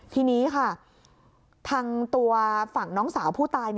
ทีนี้ค่ะทางตัวฝั่งน้องสาวผู้ตาย